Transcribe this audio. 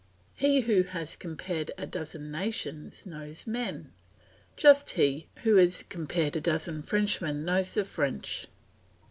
He who has compared a dozen nations knows men, just he who has compared a dozen Frenchmen knows the French.